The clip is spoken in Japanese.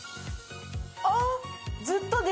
あっ！